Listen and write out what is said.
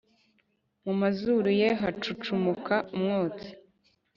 mu mazuru ye hacucumuka umwotsi